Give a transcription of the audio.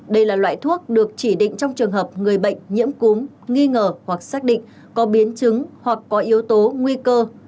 đây là loại thuốc được chỉ định trong trường hợp người bệnh nhiễm cúm nghi ngờ hoặc xác định có biến chứng hoặc có yếu tố nguy cơ